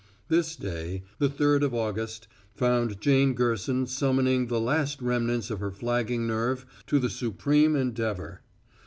This day, the third of August, found Jane Gerson summoning the last remnants of her flagging nerve to the supreme endeavor.